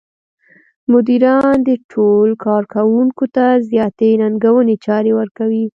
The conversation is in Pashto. مديران دې ډول کار کوونکو ته زیاتې ننګوونکې چارې ورکوي.